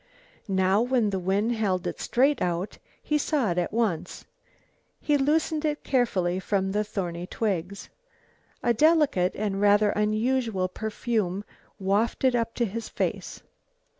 Now when the wind held it out straight, he saw it at once. He loosened it carefully from the thorny twigs. A delicate and rather unusual perfume wafted up to his face.